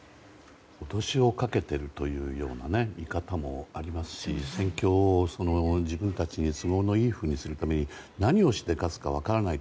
脅しをかけてるというような見方もありますし戦況を自分たちの都合のいいふうにするために何をしでかすか分からない。